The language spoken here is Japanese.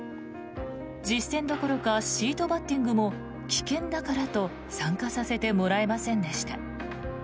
実戦どころかシートバッティングも危険だからと参加させてもらえませんでした。